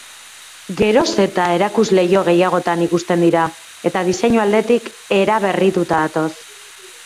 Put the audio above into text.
Geroz eta erakusleiho gehiagotan ikusten dira eta diseinu aldetik eraberrituta datoz.